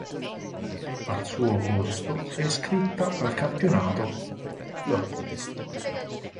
Al suo posto si è iscritta al campionato l'.